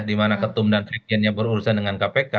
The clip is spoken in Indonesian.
dimana ketum dan trigennya berurusan dengan kpk